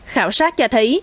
khảo sát cho thấy